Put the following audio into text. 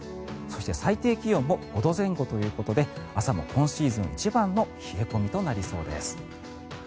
そして、最低気温も５度前後ということで朝も今シーズン一番の冷え込みとなりそうです。